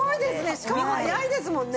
しかも早いですもんね。